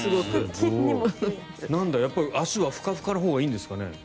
足はふかふかのほうがいいんですかね。